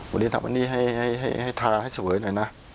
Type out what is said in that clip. วันนี้ทำวันนี้ให้ทาให้สวยหน่อยนะ